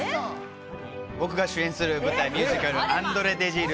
僕が主演する舞台ミュージカル『アンドレ・デジール